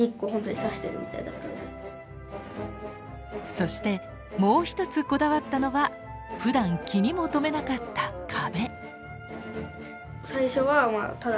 そしてもう１つこだわったのはふだん気にも留めなかった壁。